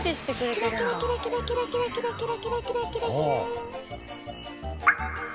キラキラキラキラキラキラキラキラ。